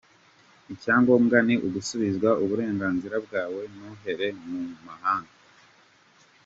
Icyangombwa ni ugusubizwa uburenganzira bwawe ntuhere mu mahanga.